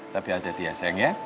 tapi adet ya sayang ya